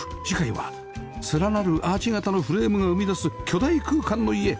次回は連なるアーチ形のフレームが生み出す巨大空間の家